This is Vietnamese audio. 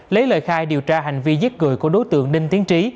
lấy lời khai điều tra hành vi giết người của đối tượng ninh tiến trí